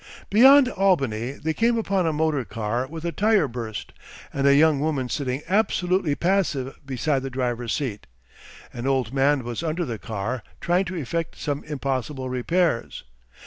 Beyond Albany they came upon a motor car with a tyre burst and a young woman sitting absolutely passive beside the driver's seat. An old man was under the car trying to effect some impossible repairs.